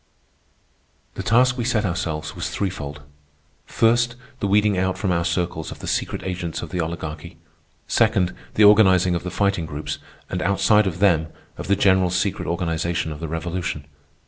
The task we set ourselves was threefold. First, the weeding out from our circles of the secret agents of the Oligarchy. Second, the organizing of the Fighting Groups, and outside of them, of the general secret organization of the Revolution.